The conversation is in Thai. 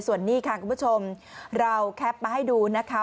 ส่วนนี้ค่ะคุณผู้ชมเราแคปมาให้ดูนะคะ